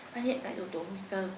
phát hiện các yếu tố nguy cơ